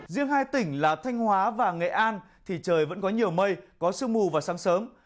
riêng hai tỉnh là thanh hóa và nghệ an thì trời vẫn có nhiều mây có sương mù vào sáng sớm